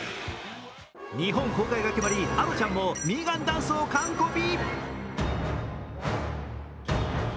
日本公開が決まりあのちゃんもミーガンダンスを完コピ。